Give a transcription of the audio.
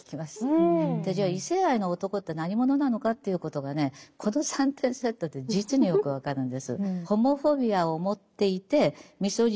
じゃあ異性愛の男って何者なのかということがねこの三点セットで実によく分かるんです。